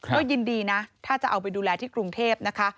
ก็ยินดีนะถ้าจะเอาไปดูแลที่กรุงเทพนะคะ